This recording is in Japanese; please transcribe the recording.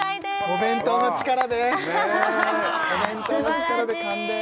お弁当の力で勘です